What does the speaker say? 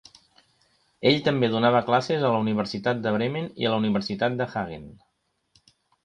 Ell també donava classes a la Universitat de Bremen i a la Universitat de Hagen.